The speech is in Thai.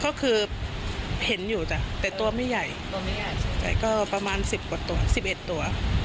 ก็คือเห็นอยู่แต่ตัวไม่ใหญ่แต่ก็ประมาณ๑๐กว่าตัว๑๑ตัว